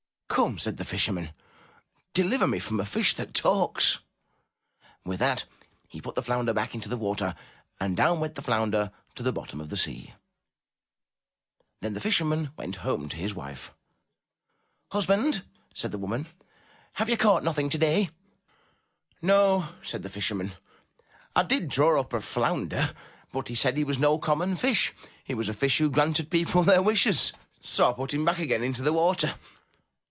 '' Come,'* said the fisherman, ''deliver me from a fish that talks!'' With that he put the flounder back into the water, and down went the flounder to the bottom of the sea. Then the fisherman went home to his wife. 191 MY BOOK HOUSE "Husband," said the woman, ''have you caught nothing today?*' '*No," said the fisherman, *'I did draw up a flounder, but he said he was no common fish — he was a fish who granted people their wishes, so I put him back again into the water.